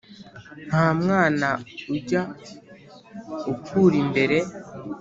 ntamwana ujya ukura imbere